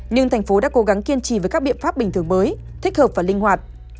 nhưng thành phố đã cố gắng kiên trì với các biện pháp bình thường mới thích hợp và linh hoạt